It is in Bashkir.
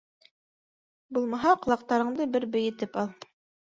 Булмаһа, ҡолаҡтарыңды бер бейетеп ал.